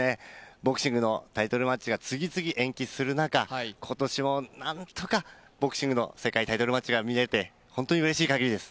ボクシングのタイトルマッチが次々延期する中、今年も何とかボクシングの世界タイトルマッチが見れて本当にうれしいかぎりです。